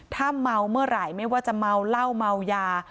ถ้าเมาเมื่อไหร่ไม่ว่าจะเมาเหล้าเมายา